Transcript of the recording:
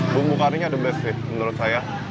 bumbu karinya the best sih menurut saya